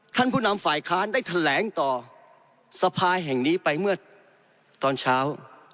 ผู้นำฝ่ายค้านได้แถลงต่อสภาแห่งนี้ไปเมื่อตอนเช้า